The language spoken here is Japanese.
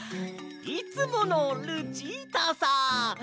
いつものルチータさ！